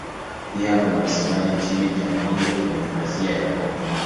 Pia kuna wasemaji nchini Jamhuri ya Kidemokrasia ya Kongo.